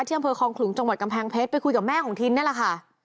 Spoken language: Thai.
อำเภอคลองขลุงจังหวัดกำแพงเพชรไปคุยกับแม่ของทินนี่แหละค่ะ